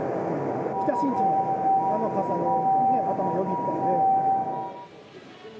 北新地のあの火災が頭をよぎったので。